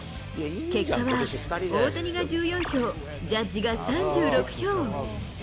結果は、大谷が１４票、ジャッジが３６票。